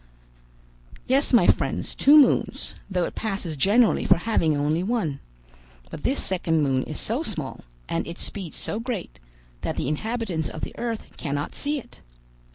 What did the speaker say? "Yes, my friends, two moons, though it passes generally for having only one; but this second moon is so small, and its speed so great, that the inhabitants of the earth cannot see it.